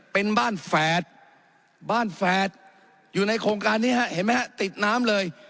เป็นบ้านแฝดบ้านแฝดอยู่ในโครงการนี้ฮะเห็นไหมฮะติดน้ำเลย